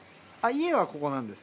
家はここなんです。